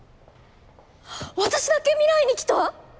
私だけ未来に来た？